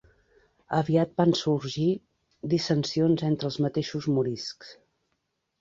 Aviat van sorgir dissensions entre els mateixos moriscs.